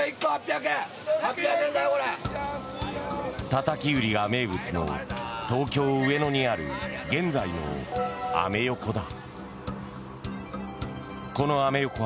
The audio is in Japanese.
たたき売りが名物の東京・上野にある現在のアメ横だ。